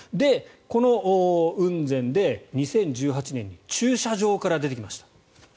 この雲仙で２０１８年に駐車場から出てきました。